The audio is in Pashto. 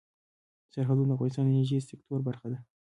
سرحدونه د افغانستان د انرژۍ سکتور برخه ده.